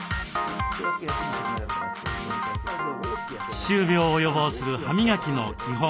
歯周病を予防する歯磨きの基本